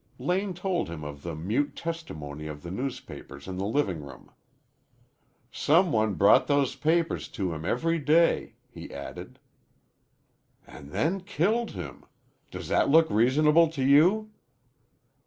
Lane told him of the mute testimony of the newspapers in the living room. "Some one brought those papers to him every day," he added. "And then killed him. Does that look reasonable to you?"